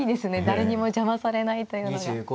誰にも邪魔されないというのが。